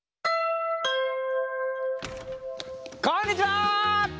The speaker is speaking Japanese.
こんにちは！